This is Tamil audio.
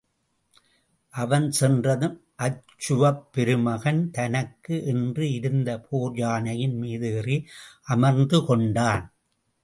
அவன் சென்றதும் அச்சுவப் பெருமகன் தனக்கு என்று இருந்த போர் யானையின் மீது ஏறி அமர்ந்து கொண்டான்.